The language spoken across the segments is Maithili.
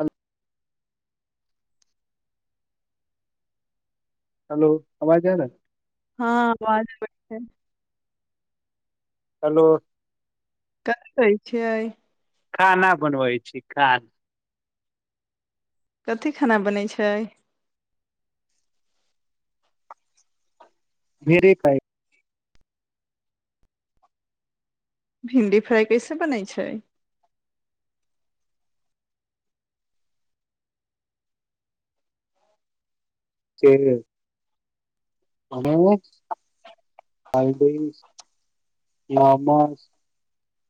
हल- हेलो आवाज जाय ने हँ आवाज अबै ह हेलो कथि कहै छिय खाना बनबै छी खाना कथिी खाना बनै छै भिंडी छै भिणडी फ्राई कैसे बनै छै के ह [inaudible] [unintelligible] हलदि नमस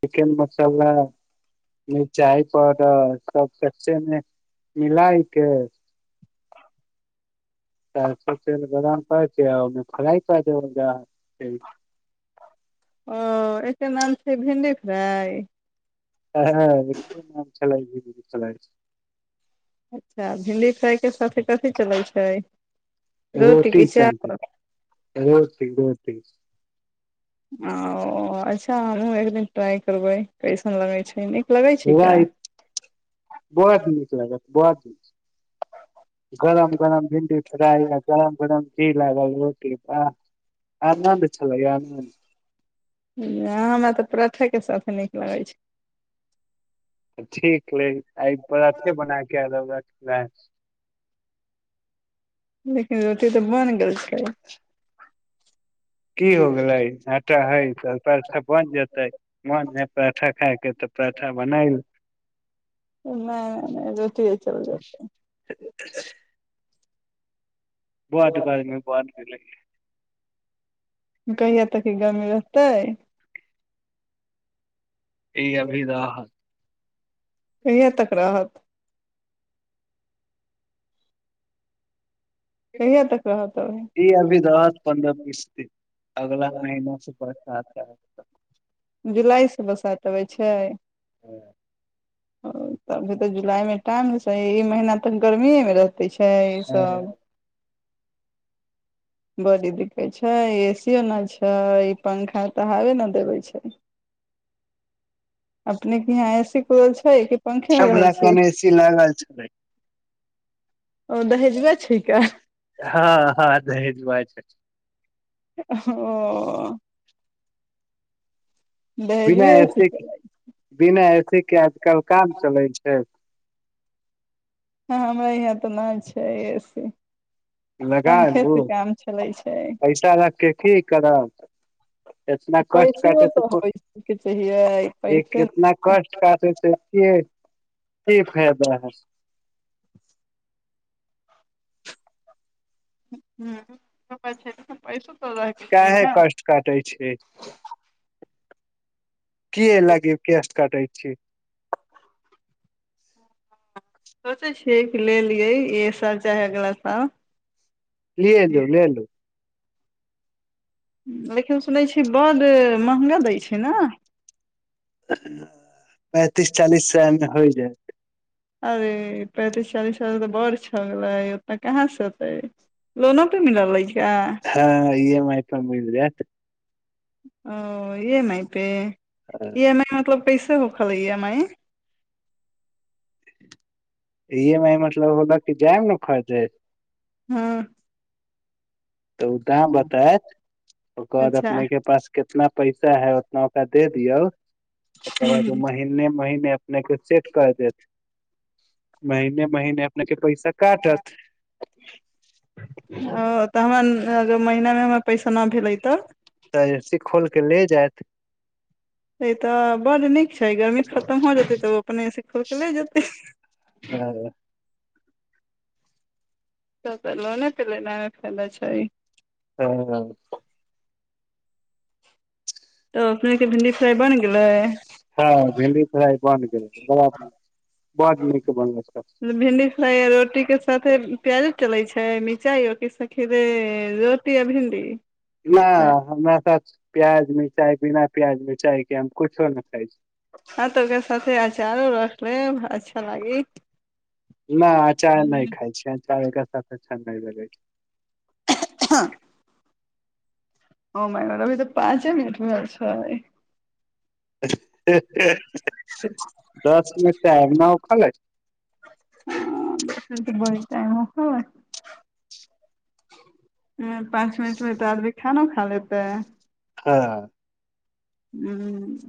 चिकेन मसाला मिरचाइ पाउडर सब कच्चे मे मिलइके चार स बदाम कर छै खरा क ओ एकर नाम छै भिणडी फ्राइ ह च अच्छा भिण्डी फ्राइके साथी कथी चलै छै रोटी रोटीके चलते चावल रोटी रोटी ओ अच्छा अू एकदिन टारय करबोै कैसन लगै छै नहि बोरा छै ल बो ची [inaudible] गरम गरम भिणडी फ्राय गरम गरम की ल रोटीप आनन्द छल य आन्द हमरा तऽ परौठे कें साथ नीक लगै छै ठीक नहि आइ परौठे बना क आएल होबे बश [inaudible] रोट तऽ बन गेल छै [inaudible] की हो गेलै आटा हय तऽ पराठा बन जेतै मोन है पराठा खायके तऽ पराठा बनयल नहि नहि, रोटिये चल जाय ब दु बमे बै [inaudible] कहिय तक गाम आइयब त ई अभी त कहिया तक रहब कहिया तक रहत अभी? ई अभी रहत पन्दर बीस दिन अगला महिना सँ अच्छा जुलाइ से बसाात अबै छै हँ ओ तभी तऽ जुलाई मे टाइम ने ई महीना तऽ गर्मीए मे रहत इ छै सब बड़ी दिककत छै एसियो नहि छै ई पंखा तऽ हावे ने देबे छै अपनेके यहाँ ऐसी कूलर छै पंखे मे सब रहै लऽ छियै कोन ए सी लागल छलै ओ दहेजुए छै का हँ हँ दहेजुआ छै [unintelligible] ओ दहेजुए ए सी चलै बिना ए सी के आब कल काम चलै छै हँ हमरा यहाँ तऽ नइ छै एसी लगा पंखे से लू काम चलै छै पैसा रखके की करब एतना कष्ट पैसो काटे से तऽ होइ के चाहिए पैसे ने कतना छै कष्ट काटे से केय [unintelligible] आहाँ [unintelligible] तऽ पैसो तऽ रहके चाही कहे ने कष्ट काटै छी की लागे केस्ट कटै छी सोचै छियै कि ले लियै एहे साल चाहे अगला सााल लेऽ लूऽ लेऽ लूऽ लेकिन सुनै छियै बड्ड महंगा दै छै न [unintelligible] पैंतिस चालीस सै मे होइ जाइत अरे पैंतीस चालीस सौ तऽ बड़ छले ओते कहाँ से अते लोनो पे मिले लइ हँ ई एम आई पर मिल जैत ओ E M I pay E M I मतलब काइसे हो खालैय E M I E M I मतलब होखअ लई जाइम न खरदै हँ तऽ ओ दाम बतायत ओकर बाद अच्छा अपने के पास के कितना पैसा है उतना दे दियऔ ओकर बाद ओ महिने महिने अपने अपने कऽ सेट कर देत महिने महिने अपने के पैसा काटत ओ तऽ हमरा अगर महीना मे हमर पैसा नहि भेलै तऽ तऽ ए सी खोल कऽ ले जैत से तऽ बड्ड नीक छै गर्मी खतम हो जेतै तऽ ओ अपनेसँ खोल तऽ लेऽ जतै हँ त पल ने पेले न ने फाय छै हँ ह तऽ अपनेके भिंडी फ्राइ बन गेलै हँ भेड प बन्द कर ब ब नीक बनल प्याज चले छै मिरचाइोके सखीरे रोटी आ भिंडी हँ नहि सच प्याज मिरचाइ बिना प्याज मि चा हँ तऽ क साथे आ छै आरो र अच्छा लागी न आचार नहि खाय छै चाय एक सा छगाइ लग छै हँ ओ महिनभी तऽ पाँचे मििनटमे छै दस मिनट टाम न ओ खाल बतटाइम पाँच मिनट मे तऽ आदमी खानो खा लेते है हँ ह्म